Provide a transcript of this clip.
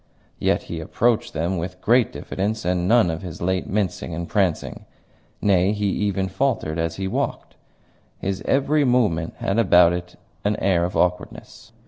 Yet he approached them with great diffidence and none of his late mincing and prancing. Nay, he even faltered as he walked; his every movement had about it an air of awkwardness.